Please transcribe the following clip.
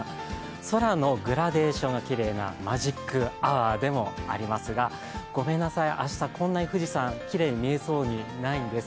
空のグラデーションがきれいなマジックアワーでもありますがごめんなさい、明日、富士山、こんなにきれいに見えそうにないんです。